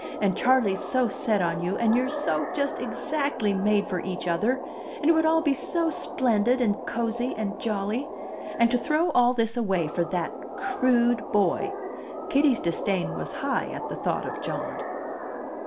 And Charley's so set on you, and you're so just exactly made for each other, and it would all be so splendid, and cosey, and jolly! And to throw all this away for that crude boy!" Kitty's disdain was high at the thought of John.